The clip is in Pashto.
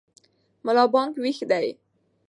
ملا بانګ ویښ دی.